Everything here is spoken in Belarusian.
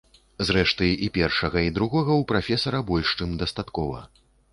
Зрэшты, і першага, і другога ў прафесара больш чым дастаткова.